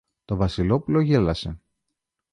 Το Βασιλόπουλο γέλασε.